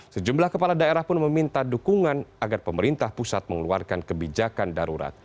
sejumlah kepala daerah pun meminta dukungan agar pemerintah pusat mengeluarkan kebijakan darurat